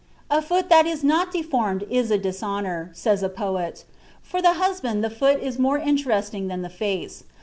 'A foot which is not deformed is a dishonor,' says a poet. For the husband the foot is more interesting than the face.